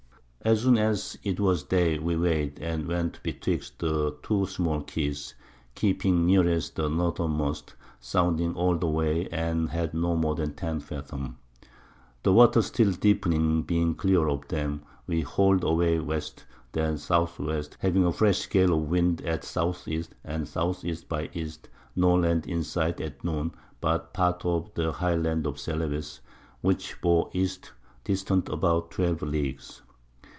As soon as it was Day we weigh'd, and went betwixt the two small Keys, keeping nearest the Northernmost, sounding all the Way, and had no more than 10 Fathom. The Water still deepning, being clear of them, we hall'd away West, and then S. W. having a fresh Gale of Wind at S. E. and S. E. by E. no Land in sight at Noon but Part of the high Land of Celebes, which bore East, distant about 12 Leagues.